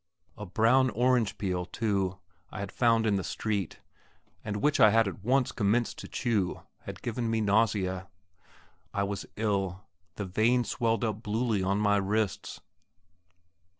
A brown orange peel, too, I had found in the street, and which I had at once commenced to chew, had given me nausea. I was ill the veins swelled up bluely on my wrists.